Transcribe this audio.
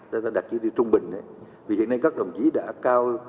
chúng ta đặt chi tiết trung bình vì hiện nay các đồng chí đã cao